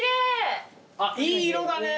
あっいい色だねぇ。